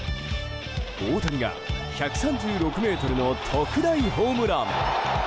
大谷が１３６ｍの特大ホームラン！